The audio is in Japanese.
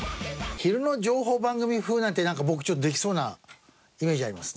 昼の情報番組風なんてなんか僕ちょっとできそうなイメージあります